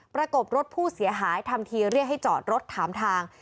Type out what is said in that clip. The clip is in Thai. ประกบรถผู้เสียหายทำทีเรียกให้จอดรถถามทาง